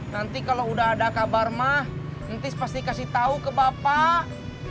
nanti kalau udah ada kabar mah nanti pas dikasih tau ke bapak